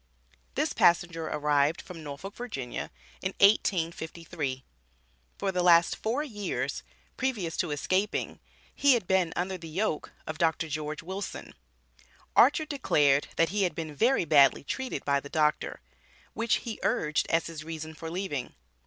This passenger arrived from Norfolk, Va. in 1853. For the last four years previous to escaping, he had been under the yoke of Dr. George Wilson. Archer declared that he had been "very badly treated" by the Doctor, which he urged as his reason for leaving.